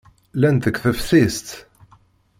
Llant deg teftist.